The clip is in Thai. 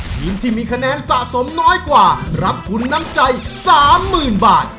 ทีมที่มีคะแนนสะสมน้อยกว่ารับทุนน้ำใจ๓๐๐๐บาท